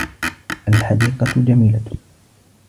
الْحَدِيقَةُ جَمِيلَةٌ.